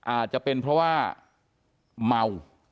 อาจจะเป็นเพราะว่าเมา